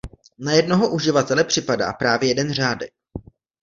Na jednoho uživatele připadá právě jeden řádek.